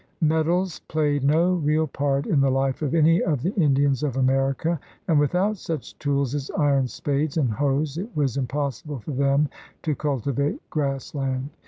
Metals played no real part in the life of any of the Indians of America, and without such tools as iron spades and hoes it was impossible for them to cultivate grass land.